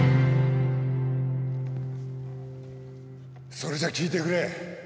それじゃあ聴いてくれ。